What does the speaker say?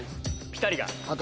ピタリが‼